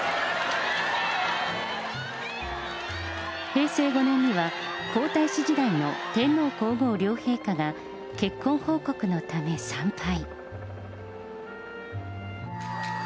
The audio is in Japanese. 平成５年には、皇太子時代の天皇皇后両陛下が、結婚報告のため参拝。